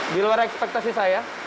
di luar ekspektasi saya